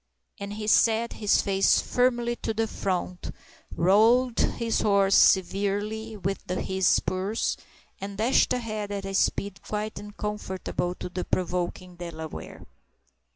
And he set his face firmly to the front, roweled the horse severely with his spurs, and dashed ahead at a speed quite uncomfortable to the provoking Delaware.